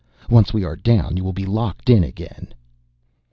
Once we are down you will be locked in again."